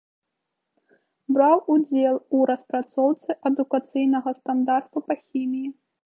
Браў удзел у распрацоўцы адукацыйнага стандарту па хіміі.